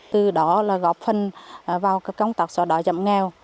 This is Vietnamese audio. từ đó là góp phần vào các công tác xóa đỏ dặm nghèo